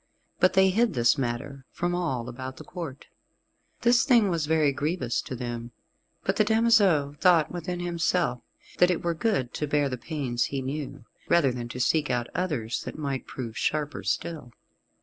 But they hid this matter from all about the Court. This thing was very grievous to them, but the damoiseau thought within himself that it were good to bear the pains he knew, rather than to seek out others that might prove sharper still.